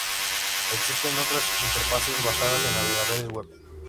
Existen otras interfaces basadas en navegadores Web.